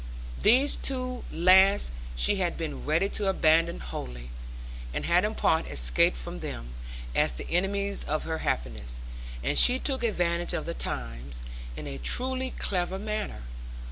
These two last she had been ready to abandon wholly, and had in part escaped from them, as the enemies of her happiness. And she took advantage of the times, in a truly clever manner.